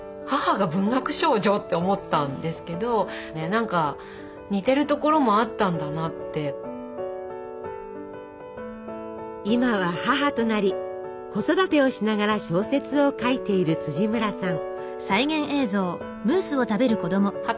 それを見てびっくりして今は母となり子育てをしながら小説を書いている村さん。